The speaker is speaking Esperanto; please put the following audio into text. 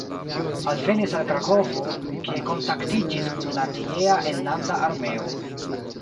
Alvenis al Krakovo, kie kontaktiĝis kun la tiea Enlanda Armeo.